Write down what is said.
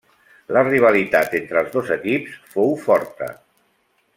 La rivalitat entre els dos equips fou forta.